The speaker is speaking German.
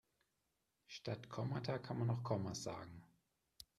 Statt Kommata kann man auch Kommas sagen.